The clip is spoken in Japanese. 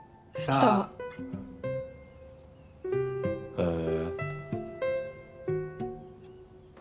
へえ。